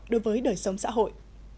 đối với đời sống xã hội